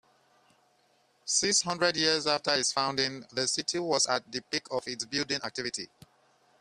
Six hundred years after its founding, the city was at the peak of its building activity.